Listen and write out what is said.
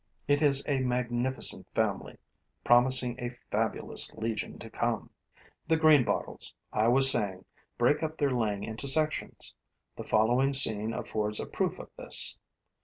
It is a magnificent family, promising a fabulous legion to come. The greenbottles, I was saying, break up their laying into sections. The following scene affords a proof of this.